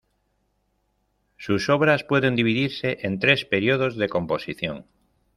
Sus obras pueden dividirse en tres períodos de composición.